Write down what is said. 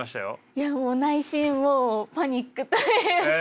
いやもう内心もうパニックというか。